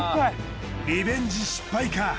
リベンジ失敗か？